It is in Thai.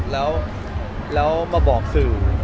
แล้วมาบอกสื่อ